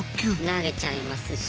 投げちゃいますし。